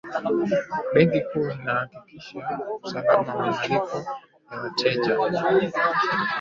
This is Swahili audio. benki kuu inahakikisha usalama wa malipo ya wateja